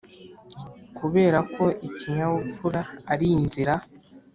kuberako ikinyabupfura arinzira.